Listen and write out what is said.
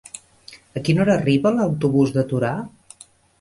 A quina hora arriba l'autobús de Torà?